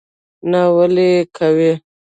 نه ولي یې کوې?